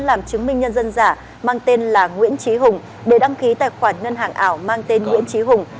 làm chứng minh nhân dân giả mang tên là nguyễn trí hùng để đăng ký tài khoản ngân hàng ảo mang tên nguyễn trí hùng